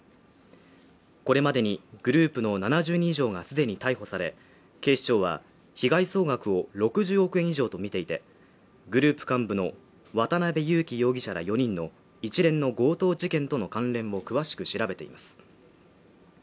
これまでにグループの７０人以上がすでに逮捕され警視庁は被害総額を６０億円以上と見ていてグループ幹部の渡辺優樹容疑者ら４人の一連の強盗事件との関連を詳しく調べています